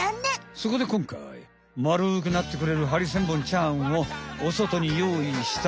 そこでこんかい丸くなってくれるハリセンボンちゃんをおそとによういした。